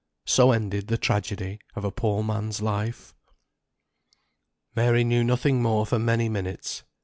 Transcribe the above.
So ended the tragedy of a poor man's life. Mary knew nothing more for many minutes.